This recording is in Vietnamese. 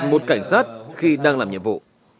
một cảnh sát khi đang làm nhiệm vụ